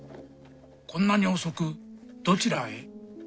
こんなに遅くどちらへ？